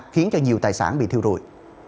khiến cho nhiều tài sản bị thiêu rùi